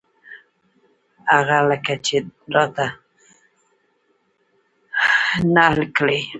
هغه لکه چې را ته ته حل کړې.